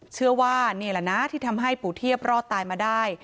เชื่อว่านี่แหละนะที่ทำให้ปู่เทียบรอดตายมาได้